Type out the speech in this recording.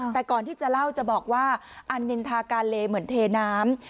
แต่ก่อนที่จะเล่าจะบอกว่าอันนินทากาเลเหมือนเทน้ำ